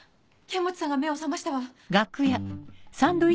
剣持さんが目を覚ましたわ。